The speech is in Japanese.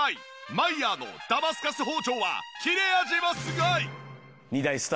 マイヤーのダマスカス包丁は切れ味もすごい！